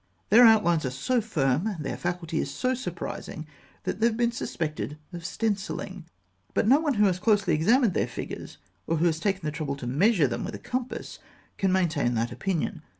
Their outlines are so firm, and their facility is so surprising, that they have been suspected of stencilling; but no one who has closely examined their figures, or who has taken the trouble to measure them with a compass, can maintain that opinion.